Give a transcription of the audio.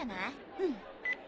うん。